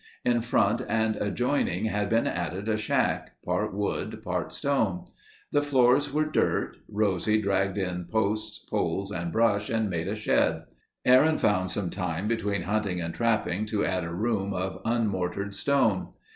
In front and adjoining had been added a shack, part wood, part stone. The floors were dirt. Rosie dragged in posts, poles, and brush and made a shed. Aaron found time between hunting and trapping to add a room of unmortared stone.